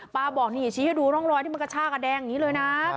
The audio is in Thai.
บอกนี่ชี้ให้ดูร่องรอยที่มันกระชากะแดงอย่างนี้เลยนะ